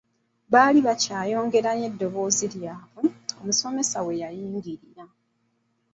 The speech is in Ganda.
Baali bakyeyongerayo n'emboozi yaabwe, omusomesa we yayingirira.